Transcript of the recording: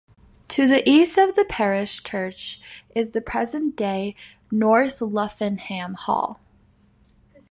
To the east of the parish church is the present day North Luffenham Hall.